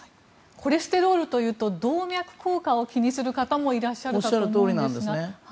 コレステロールというと動脈硬化を気にする方もいらっしゃると思いますが。